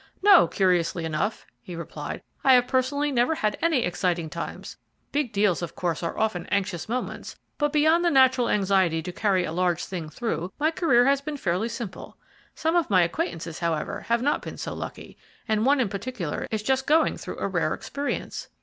"No, curiously enough," he replied; "I have personally never had any very exciting times. Big deals, of course, are often anxious moments, but beyond the natural anxiety to carry a large thing through, my career has been fairly simple. Some of my acquaintances, however, have not been so lucky, and one in particular is just going through a rare experience."